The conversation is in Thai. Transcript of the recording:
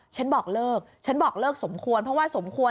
ฉันบอกเลิกฉันบอกเลิกสมควรเพราะว่าสมควร